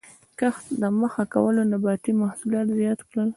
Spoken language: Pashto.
کښت ته مخه کولو نباتي محصولات زیات کړل.